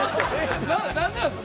何でなんすか？